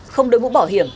không đối mũ bỏ hiểm